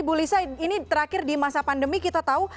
ibu lisa ini terakhir di masa pandemi kita tahu